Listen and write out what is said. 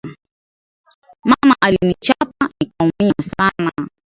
Mama alinichapa nikaumia sana